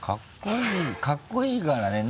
かっこいいからね。